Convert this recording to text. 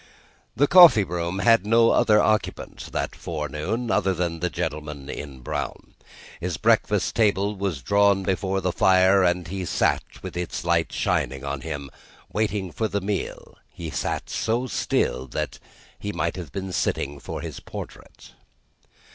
The coffee room had no other occupant, that forenoon, than the gentleman in brown. His breakfast table was drawn before the fire, and as he sat, with its light shining on him, waiting for the meal, he sat so still, that he might have been sitting for his portrait.